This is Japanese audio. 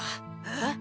えっ？